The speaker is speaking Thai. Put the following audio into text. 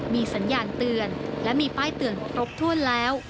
มีสัญญาณเตือนและมีป้ายเตือนครบถ้วนแล้ว